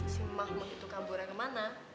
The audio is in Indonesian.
si mahmu itu kaburnya kemana